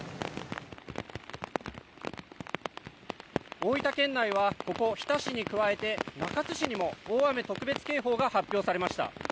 大分県内はここ、日田市に加えて中津市にも大雨特別警報が発表されました。